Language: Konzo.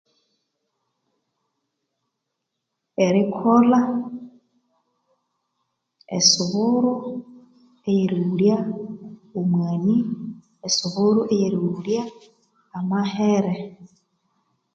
Erikolha esuburo eyerighulya omwani amahere